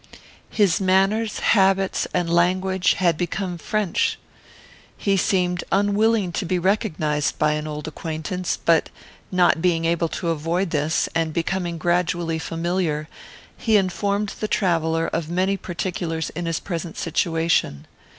His manners, habits, and language, had become French. He seemed unwilling to be recognised by an old acquaintance, but, not being able to avoid this, and becoming gradually familiar, he informed the traveller of many particulars in his present situation.